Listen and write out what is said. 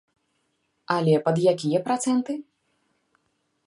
Але пад якія працэнты?